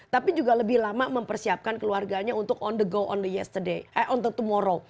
tapi juga lebih lama mempersiapkan keluarganya untuk on the go on the yesterday eh on the tomorrow